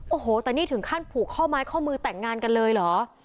โอ้โหแต่นี่ถึงขั้นผูกข้อไม้ข้อมือแต่งงานกันเลยเหรอ